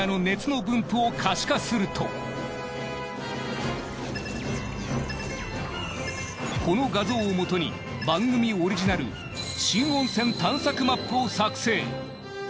このエリアのこの画像をもとに番組オリジナル新温泉探索マップを作成。